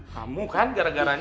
kamu kan gara garanya